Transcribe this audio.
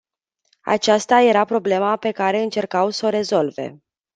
Aceasta era problema pe care încercau s-o rezolve.